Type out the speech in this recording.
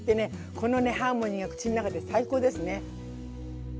このねハーモニーが口の中で最高ですね。